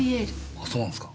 あそうなんすか。